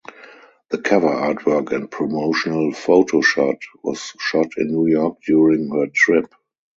The cover artwork and promotional photoshoot was shot in New York during her trip.